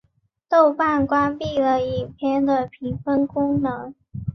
豆瓣关闭了影片的评分功能。